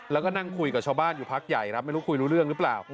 แล้วก็นั่งคุยกับชาวบ้านอยู่พักใหญ่ครับไม่รู้คุยรู้เรื่องหรือเปล่า